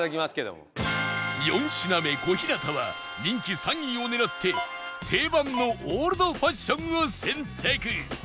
４品目小日向は人気３位を狙って定番のオールドファッションを選択